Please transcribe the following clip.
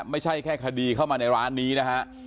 ไม่ใช่แค่คดีเข้ามาในร้านนี้นะฮะ